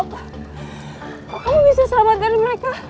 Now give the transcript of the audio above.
kamu bisa selamat dari mereka